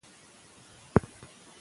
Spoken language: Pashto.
ډاکټران کولی شي کوچني ټپونه وڅاري.